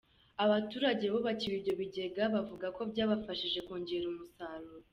Abaturage bubakiwe ibyo bigega bavuga ko byabafashije kongera umusaruro.